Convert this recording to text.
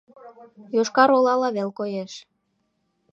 Йошкар-Олала вел коеш: